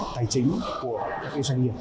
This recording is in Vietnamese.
tài chính của các doanh nghiệp